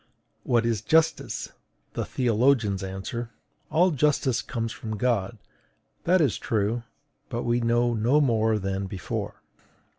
What is justice? The theologians answer: "All justice comes from God." That is true; but we know no more than before.